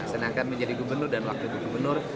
sedangkan menjadi gubernur dan waktu itu gubernur